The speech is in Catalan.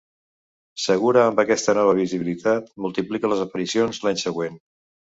Segura amb aquesta nova visibilitat, multiplica les aparicions l'any següent.